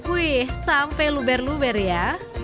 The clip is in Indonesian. wih sampai luber luber ya